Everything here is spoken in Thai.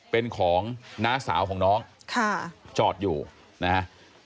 เป็นของน้าสาวของน้องค่ะจอดอยู่นะฮะ